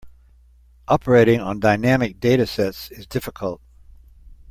Operating on dynamic data sets is difficult.